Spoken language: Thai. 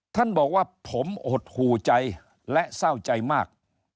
ท่านบอกว่าผมหดหูใจและเศร้าใจมาก